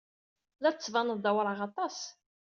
La d-tettbaned d awraɣ aṭas.